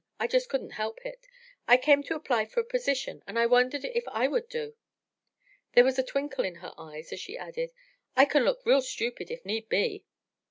I just couldn't help it. I came to apply for a position and I wondered if I would do." There was a twinkle in her eyes as she added: "I can look real stupid if need be."